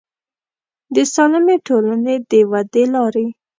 د سالمې ټولنې د ودې لارې